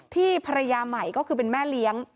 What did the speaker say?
ภรรยาใหม่ก็คือเป็นแม่เลี้ยง